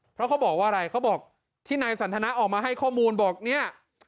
เพราะเขาบอกว่าอะไรเขาบอกที่นายสันทนาออกมาให้ข้อมูลบอกเนี่ย